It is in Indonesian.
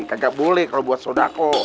kagak boleh kalau buat sodako